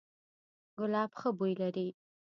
ګلاب ښه بوی لري